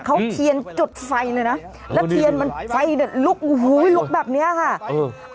เขาเทียนจุดไฟเลยนะแล้วเทียนมันไฟเนี่ยลุกโอ้โหลุกแบบเนี้ยค่ะเออ